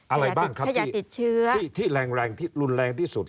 อะไรบ้างครับที่แรงแรงที่รุนแรงที่สุด